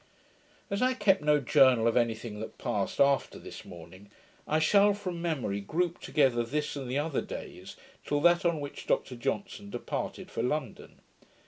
As I kept no journal of any thing that passed after this morning, I shall, from memory, group together this and the other days, till that on which Dr Johnson departed for London.